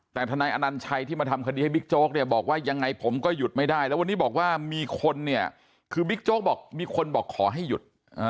แต่ทนายอนัญชัยที่มาทำคดีให้บิ๊กโจ๊กเนี่ยบอกว่ายังไงผมก็หยุดไม่ได้แล้ววันนี้บอกว่ามีคนเนี่ยคือบิ๊กโจ๊กบอกมีคนบอกขอให้หยุด